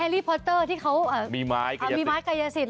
แฮลลี่พอตเตอร์ที่เขามีไม้กายยะสิทธิ์